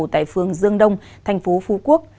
tại phương dương đông thành phố phú quốc